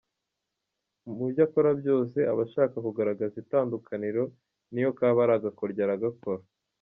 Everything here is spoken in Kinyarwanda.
Mu byo akora byose aba ashaka kugaragaza itandukaniro niyo kaba ari agakoryo aragakora.